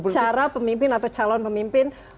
cara pemimpin atau calon pemimpin